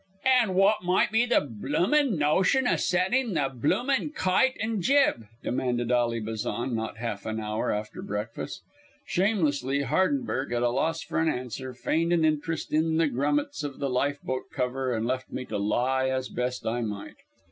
"An' w'at might be the bloomin' notion o' setting the bloomin' kite and jib?" demanded Ally Bazan not half an hour after breakfast. Shamelessly Hardenberg, at a loss for an answer, feigned an interest in the grummets of the life boat cover and left me to lie as best I might.